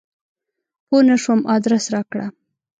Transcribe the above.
پوه نه شوم ادرس راکړه !